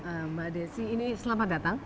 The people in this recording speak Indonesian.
ya mbak desy ini selamat datang